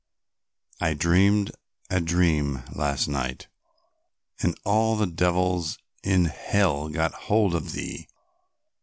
I dreamed a dream last night and all the devils in hell got hold of thee."